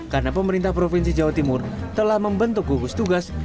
karena pemerintah provinsi jawa timur telah membentuk gugus tugas